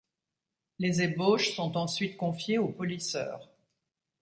Les ébauches sont ensuite confiées aux polisseurs.